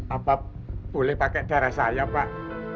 apa boleh pakai darah saya pak